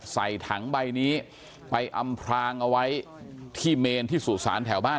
ใส่ถังใบนี้ไปอำพรางเอาไว้ที่เมนที่สู่สารแถวบ้าน